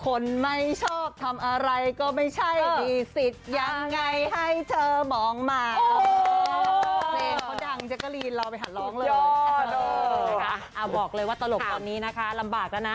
คนไม่ชอบทำอะไรก็ไม่ใช่ดีสิทธิ์ยังไงให้เธอมองมา